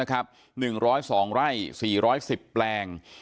๑๐๒ไร่๔๑๐แปลง